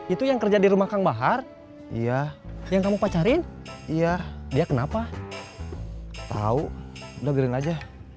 itu yang kerja di rumah kang bahar iya yang kamu pacarin iya dia kenapa tahu dengerin aja